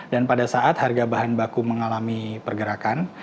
dan pada saat harga bahan baku mengalami pergerakan